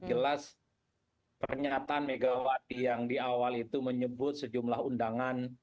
jelas pernyataan megawati yang di awal itu menyebut sejumlah undangan